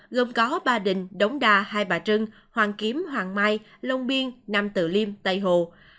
gồm có ba đình đống đa hai bà trưng hoàng kiếm hoàng mai long biên nam tự liêm tây hồ